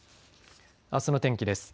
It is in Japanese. あすの天気です。